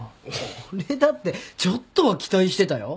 俺だってちょっとは期待してたよ。